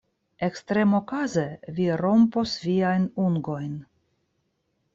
Ekstremokaze vi rompos viajn ungojn!